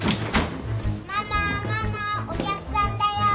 ママママお客さんだよ。